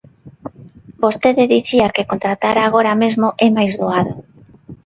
Vostede dicía que contratar agora mesmo é máis doado.